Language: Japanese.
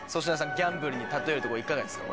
ギャンブルに例えるといかがですか？